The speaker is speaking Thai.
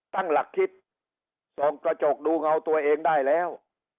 ตั้งหลักคิดส่องกระจกดูเงาตัวเองได้แล้ว